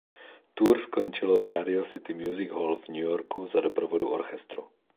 Tour skončilo v Radio City Music Hall v New Yorku za doprovodu orchestru.